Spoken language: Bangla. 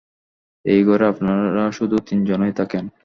এই ঘরে আপনারা শুধু তিন জনেই থাকেন?